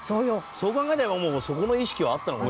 そう考えたらもうそこの意識はあったのかも。